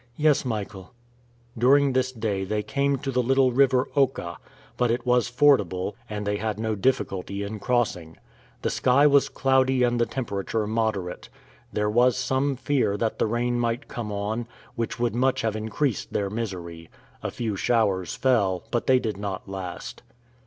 "Yes, Michael." During this day they came to the little river Oka, but it was fordable, and they had no difficulty in crossing. The sky was cloudy and the temperature moderate. There was some fear that the rain might come on, which would much have increased their misery. A few showers fell, but they did not last.